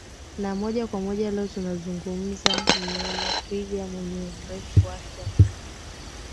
Na moja kwa moja leo tutamzungumzia Mnyama twiga mwenye urefu wake wa kipekee